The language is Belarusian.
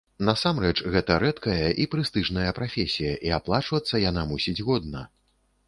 Насамрэч, гэта рэдкая і прэстыжная прафесія, і аплачвацца яна мусіць годна.